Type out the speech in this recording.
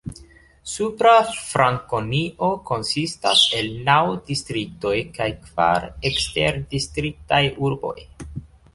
Supra Frankonio konsistas el naŭ distriktoj kaj kvar eksterdistriktaj urboj.